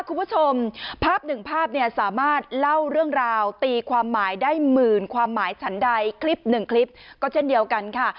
คุณผู้ชมภาพหนึ่งภาพเนี่ยสามารถเล่าเรื่องราวตีความหมายได้หมื่นความหมายฉันใดคลิปหนึ่งคลิปก็เช่นเดียวกันค่ะ